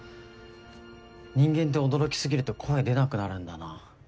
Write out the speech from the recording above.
人間って驚き過ぎると声出なくなるんだな。